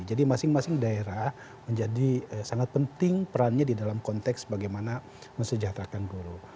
jadi masing masing daerah menjadi sangat penting perannya di dalam konteks bagaimana mesejahterakan guru